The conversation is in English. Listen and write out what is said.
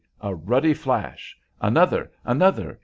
a ruddy flash! another! another!